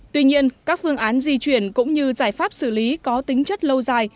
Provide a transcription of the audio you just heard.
tuy nhiên các phương án di chuyển cũng như giải pháp xử lý có tính chất lâu dài